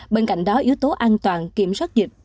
bên cạnh đó yếu tố an toàn kiểm soát dịch